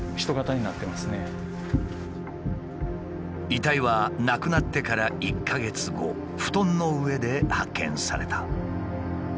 遺体は亡くなってから１か月後布団の上で発見された。